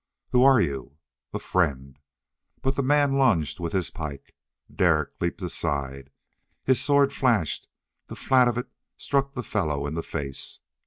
"Who are you?" "A friend." But the man lunged with his pike. Derek leaped aside. His sword flashed; the flat of it struck the fellow in the face.